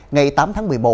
ngày tám tháng một mươi một